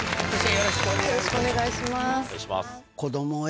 よろしくお願いします。